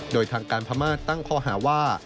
โดยทางการพม่าตั้งข้อหาว่า